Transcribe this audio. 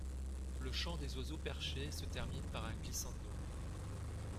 Le chant des oiseaux perchés se termine par un glissando.